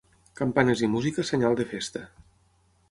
Campanes i música, senyal de festa.